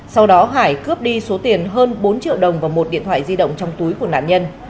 sau đó hải cướp đi số tiền hơn bốn triệu đồng và một điện thoại di động trong túi của nạn nhân